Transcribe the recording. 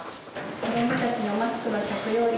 子どもたちのマスクの着用率